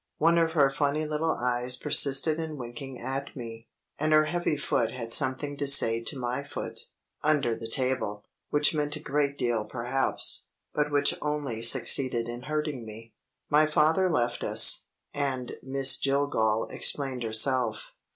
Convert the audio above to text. One of her funny little eyes persisted in winking at me; and her heavy foot had something to say to my foot, under the table, which meant a great deal perhaps, but which only succeeded in hurting me. My father left us; and Miss Jillgall explained herself.